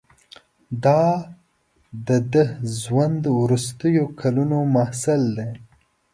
دا د ده ژوند وروستیو کلونو محصول دی.